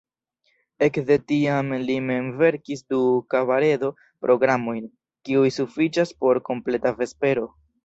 Ekde tiam li mem verkis du kabaredo-programojn kiuj sufiĉas por kompleta vespero.